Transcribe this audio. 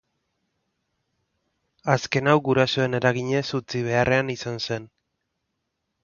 Azken hau gurasoen eraginez utzi beharrean izan zen.